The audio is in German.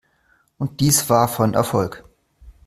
Und dies war von Erfolg.